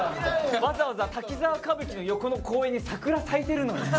わざわざ「滝沢歌舞伎」の横の公園に桜咲いてるのに！